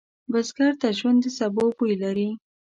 بزګر ته ژوند د سبو بوی لري